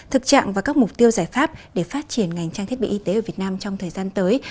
thực trạng và các mục tiêu giải pháp để phát triển ngành trang thiết bị y tế ở việt nam trong thời gian tới